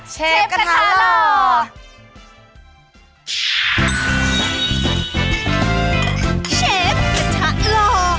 เชฟกระทะหล่อ